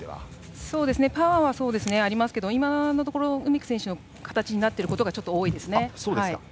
パワーはありますけど今のところ梅木選手の形になっていることがちょっと多いですね。